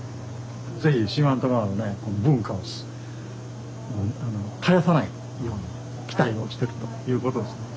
是非四万十川のねこの文化を絶やさないように期待をしてるということですね。